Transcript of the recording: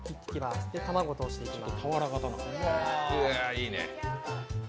そして卵を通していきます。